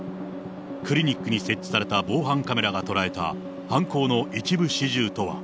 クリニックに設置された防犯カメラが捉えた犯行の一部始終とは。